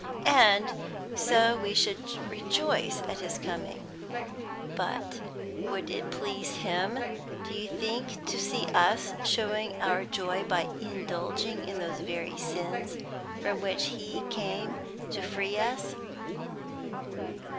"And so we should rejoice at His coming. But would it please Him, do you think, to see us showing our joy by indulging in those very sins from which He came to free us?"